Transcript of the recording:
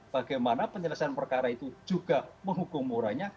bagaimana penyelesaian perkara itu juga menghukum murahnya